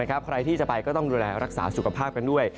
ใครที่จะไปก็ต้องดูแลรักษาสุขภาพกันด้วย